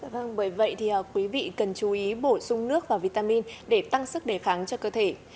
vâng bởi vậy thì quý vị cần chú ý bổ sung nước và vitamin để tăng sức đề kháng cho cơ thể